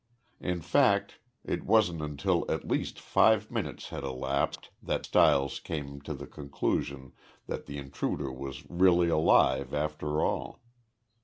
In fact, it wasn't until at least five minutes had elapsed that Stiles came to the conclusion that the intruder was really alive, after all.